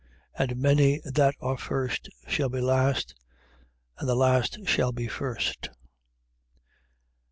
19:30. And many that are first, shall be last: and the last shall be first.